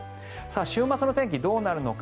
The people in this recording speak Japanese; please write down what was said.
週末の天気、どうなるのか。